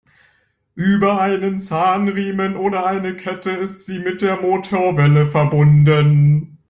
Über einen Zahnriemen oder eine Kette ist sie mit der Motorwelle verbunden.